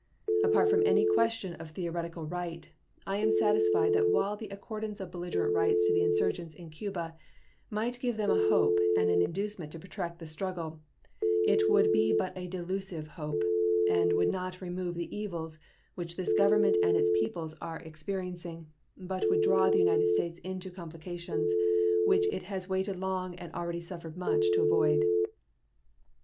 Apart from any question of theoretical right, I am satisfied that while the accordance of belligerent rights to the insurgents in Cuba might give them a hope and an inducement to protract the struggle, it would be but a delusive hope, and would not remove the evils which this Government and its people are experiencing, but would draw the United States into complications which it has waited long and already suffered much to avoid.